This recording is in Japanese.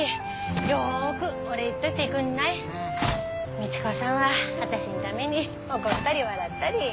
みち子さんは私んために怒ったり笑ったり。